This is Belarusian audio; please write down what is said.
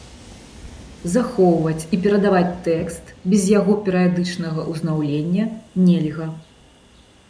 Захоўваць і перадаваць тэкст без яго перыядычнага ўзнаўлення нельга.